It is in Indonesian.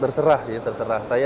terserah sih terserah saya